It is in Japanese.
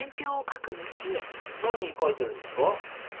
何書いてるんですか？